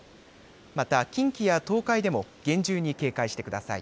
また近畿や東海でも厳重に警戒してください。